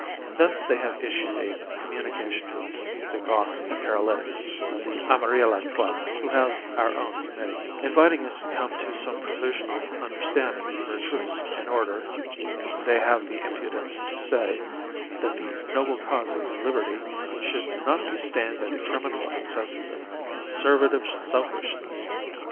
Thence they have issued a communication to us, the Goths and Paralytics of the Amarilla Club (who have our own committee), inviting us to come to some provisional understanding for a truce, in order, they have the impudence to say, that the noble cause of Liberty 'should not be stained by the criminal excesses of Conservative selfishness!